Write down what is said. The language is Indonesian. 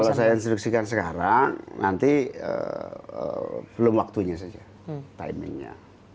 kalau saya instruksikan sekarang nanti belum waktunya saja timingnya